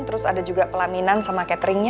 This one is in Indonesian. terus ada juga pelaminan sama cateringnya